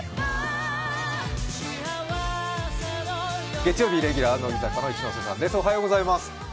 月曜日レギュラーは乃木坂の一ノ瀬さんです。